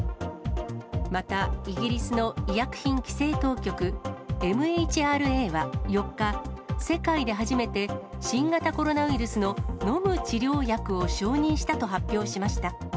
またイギリスの医薬品規制当局、ＭＨＲＡは４日、世界で初めて新型コロナウイルスの飲む治療薬を承認したと発表しました。